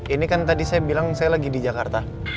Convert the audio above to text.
ini kan tadi saya bilang saya lagi di jakarta